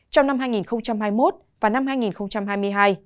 trong năm hai nghìn hai mươi một và năm hai nghìn hai mươi hai